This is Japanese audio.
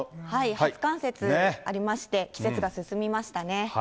初冠雪ありまして、季節が進みましたね。